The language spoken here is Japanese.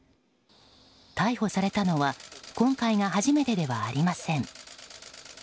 逮捕されたのは今回が初めてではありません。